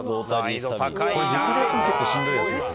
床でも結構しんどいやつです